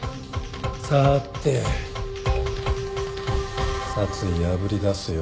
さて殺意あぶり出すよ。